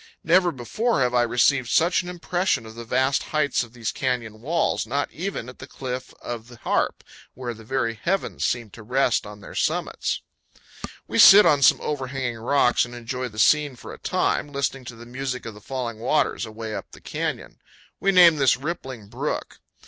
Never before have I received such an impression of the vast heights of these canyon walls, not even at the Cliff of the Harp, where the very heavens seemed to rest on their summits. We sit on some overhanging rocks and enjoy the scene for a time, listening to the music of the falling waters away up the canyon. We name this Rippling Brook.